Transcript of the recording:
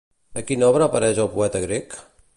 A quina obra apareix el poeta grec?